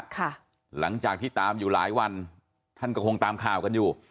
หลังจากที่ตามอยู่หลายวันท่านก็คงตามข่าวกันอยู่